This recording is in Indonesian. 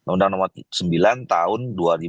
undang nomor sembilan tahun dua ribu delapan